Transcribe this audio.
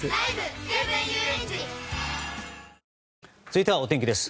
続いてはお天気です。